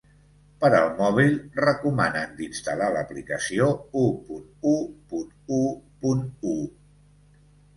Per al mòbil, recomanen d’instal·lar l’aplicació u punt u punt u punt u.